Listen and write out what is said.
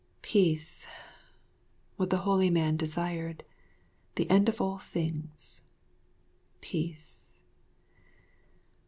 Peace what the holy man desired, the end of all things peace.